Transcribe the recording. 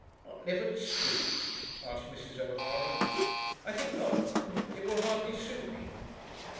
"Not live at Scroope?" asked Mrs. O'Hara. "I think not. It will hardly suit me."